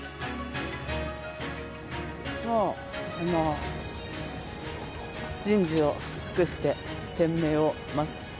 もう、人事を尽くして天命を待つ。